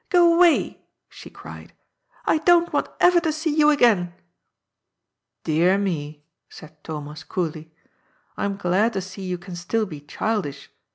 —^^ Go away !" she cried, '* I don't want ever to see you again !"" Dear me," said Thomas coolly. " I am glad to see you can still be childish.